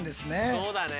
そうだね。